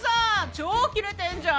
超キレてんじゃん！